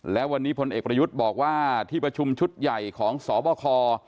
และวันนี้พลเอกประยุทธ์บอกว่าที่ประชุมชุดใหญ่ของสบค